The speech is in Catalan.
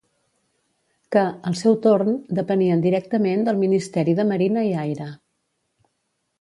Que, al seu torn, depenien directament del Ministeri de Marina i Aire.